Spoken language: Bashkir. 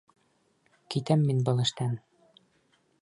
Китәм мин был эштән!